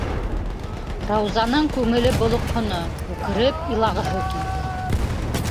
Раузаның күңеле болоҡһоно, үкереп илағыһы килде.